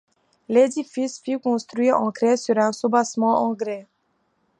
L'édifice fut construit en craie sur un soubassement en grès.